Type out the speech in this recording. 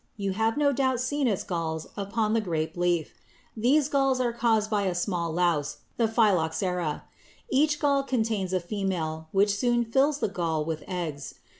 You have no doubt seen its galls upon the grape leaf. These galls are caused by a small louse, the phylloxera. Each gall contains a female, which soon fills the gall with eggs.